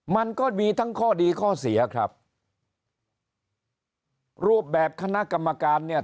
มันก็มีทั้งข้อดีข้อเสียครับรูปแบบคณะกรรมการเนี่ย